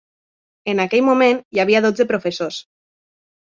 En aquell moment, hi havia dotze professors.